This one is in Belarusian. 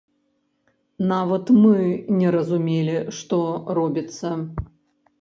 Нават мы не разумелі, што робіцца.